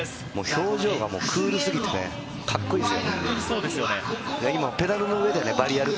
表情がクールすぎて、カッコいいです。